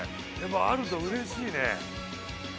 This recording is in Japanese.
あるとうれしいね。